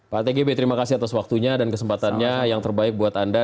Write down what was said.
pak tgb terima kasih atas waktunya dan kesempatannya yang terbaik buat anda